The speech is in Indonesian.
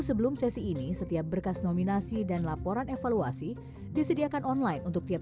sebelum sesi ini setiap berkas nominasi dan laporan evaluasi disediakan online untuk tiap